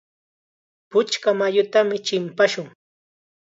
Puchka mayutam chimpashun.